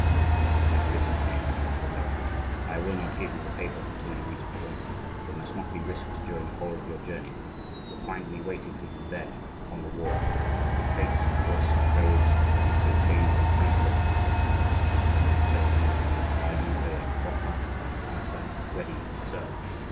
"Now listen to me," said La Renaudie. "I will not give you the papers until you reach Beaugency; for they must not be risked during the whole of your journey. You will find me waiting for you there on the wharf; my face, voice, and clothes will be so changed you cannot recognize me, but I shall say to you, 'Are you a guepin?' and you will answer, 'Ready to serve.